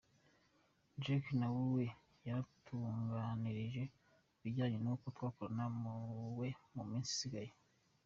Drake na we yaratuganirije ku bijyanye nuko twakorana na we mu minsinga ye.